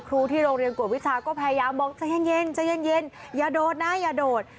ครูที่โรงเรียนกวดวิชาก็พยายามบอกใจเย็นใจเย็นอย่าโดดนะอย่าโดด